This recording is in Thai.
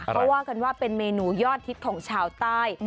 เขาว่ากันว่าเป็นเมนูยอดฮิตของชาวใต้